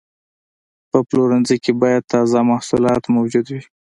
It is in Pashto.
په پلورنځي کې باید تازه محصولات موجود وي.